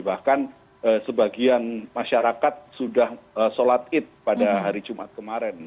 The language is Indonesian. bahkan sebagian masyarakat sudah sholat id pada hari jumat kemarin